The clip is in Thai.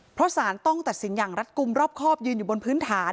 เพราะสารต้องตัดสินอย่างรัฐกลุ่มรอบครอบยืนอยู่บนพื้นฐาน